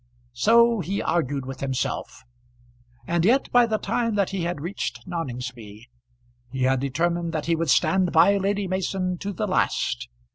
So he argued with himself, and yet by the time that he had reached Noningsby he had determined that he would stand by Lady Mason to the last.